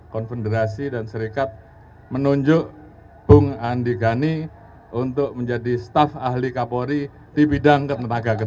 konfederasi dan serikat menunjuk bung andi gani untuk menjadi staf ahli kapolri di bidang ketenaga kerjaan